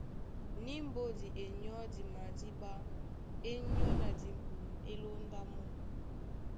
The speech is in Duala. Ní mbódi e nyɔ́di madíɓá, é nyɔ́, na dibum dí lóndá mɔ́.